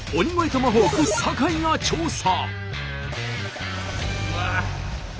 トマホーク坂井が調査！